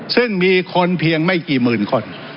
ซึ่งมีคนเพียงไม่กี่หมื่นคน